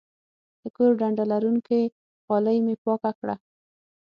د کور ډنډه لرونکې غالۍ مې پاکه کړه.